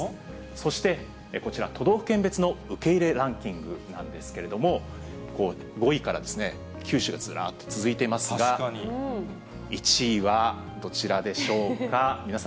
そしてこちら、都道府県別の受け入れランキングなんですけれども、５位から九州がずらっと続いていますが、１位はどちらでしょうか。